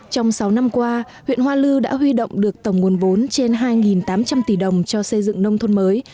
trong sáu năm qua huyện hoa lư đã huy động được tổng nguồn vốn trên hai tám trăm linh tỷ đồng cho xây dựng nông thôn mới